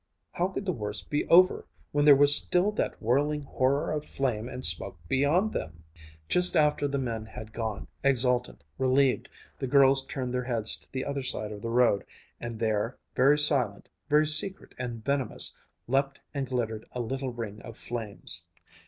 How could the worst be over, when there was still that whirling horror of flame and smoke beyond them? Just after the men had gone, exultant, relieved, the girls turned their heads to the other side of the road, and there, very silent, very secret and venomous, leaped and glittered a little ring of flames.